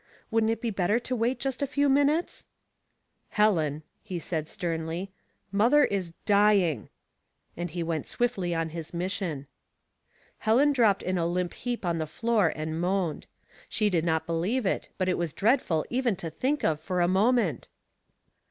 Wouldn't it be better to wait just a few minutes ?"" Helen," he said, sternly, "mother is dying^'* and he went swiftly on his mission. Helen dropped in a limp heap on the floor and moaned. She did not believe it, but it was dread ful even to think of for a moment.